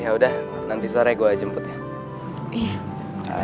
ya udah nanti sore gue aja jemput ya